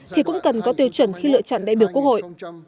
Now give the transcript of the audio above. thì cũng cần có tiêu chuẩn khi lựa chọn đại biểu quốc hội